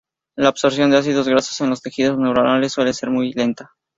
La absorción de ácidos grasos en los tejidos neuronales suele ser muy lenta.